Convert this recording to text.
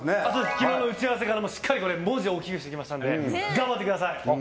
昨日の打ち合わせからしっかり文字を大きくしておきましたので頑張ってください！